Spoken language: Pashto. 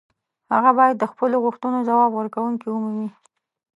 هغه باید د خپلو غوښتنو ځواب ورکوونکې ومومي.